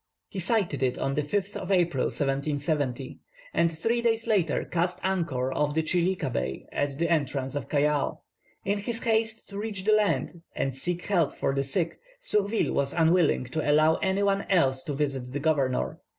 He sighted it on the 5th of April, 1770, and three days later cast anchor off the Chilica Bar at the entrance of Callao. In his haste to reach the land, and seek help for his sick, Surville was unwilling to allow any one else to visit the governor.